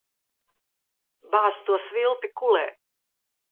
Bāz to svilpi kulē.